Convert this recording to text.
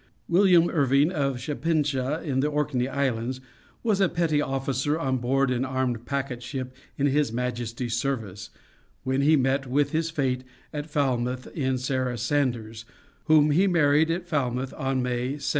William Irving of Shapinsha, in the Orkney Islands, was a petty officer on board an armed packet ship in His Majesty's service, when he met with his fate at Falmouth in Sarah Sanders, whom he married at Falmouth in May, 1761.